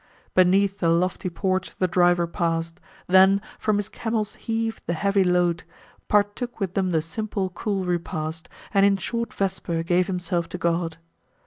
Beneath a lofty porch the driver pass'd, Then, from his camels heav'd the heavy load; Partook with them the simple, cool repast, And in short vesper gave himself to God.